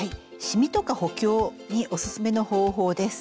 しみとか補強におすすめの方法です。